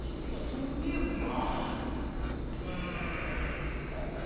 うーんあっ。